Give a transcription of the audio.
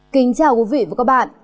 kính chào quý vị và các bạn